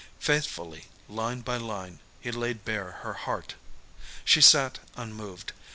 Faithfully, line by line, he laid bare her heart. She sat unmoved.